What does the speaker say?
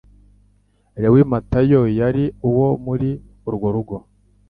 Lewi Matayo yari uwo muri urwo rwego,